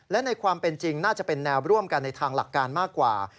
และในความเป็นจริงน่าจะเป็นแนวร่วมกันในทางหลักการมากกว่า